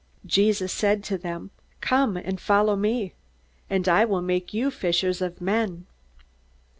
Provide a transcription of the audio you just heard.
Jesus said to them, "Come and follow me, and I will make you fishers of men."